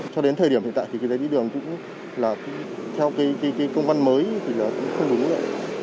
cho đến thời điểm hiện tại thì cái giấy đi đường cũng là theo cái công văn mới thì là cũng không đúng rồi ạ